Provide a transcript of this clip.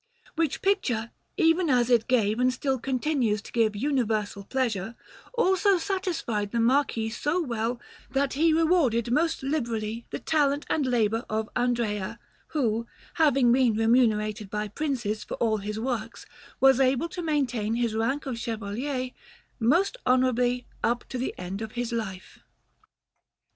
Which picture, even as it gave and still continues to give universal pleasure, also satisfied the Marquis so well that he rewarded most liberally the talent and labour of Andrea, who, having been remunerated by Princes for all his works, was able to maintain his rank of Chevalier most honourably up to the end of his life.